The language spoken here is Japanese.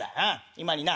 今にな